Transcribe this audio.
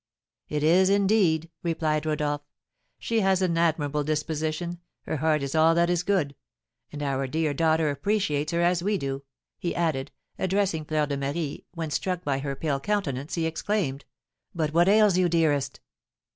"It is, indeed!" replied Rodolph. "She has an admirable disposition, her heart is all that is good; and our dear daughter appreciates her as we do," he added, addressing Fleur de Marie, when, struck by her pale countenance, he exclaimed, "But what ails you, dearest?"